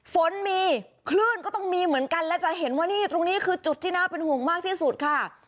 ฝนมีคลื่นก็ต้องมีเหมือนกันและจะเห็นว่านี่ตรงนี้คือจุดที่น่าเป็นห่วงมากที่สุดค่ะ